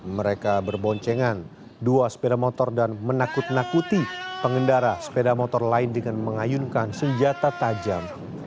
mereka berboncengan dua sepeda motor dan menakut nakuti pengendara sepeda motor lain dengan mengayunkan senjata tajam